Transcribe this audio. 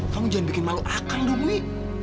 kamu jangan bikin malu akang dong wi